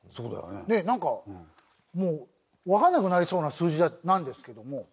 ねえなんかもうわからなくなりそうな数字なんですけども。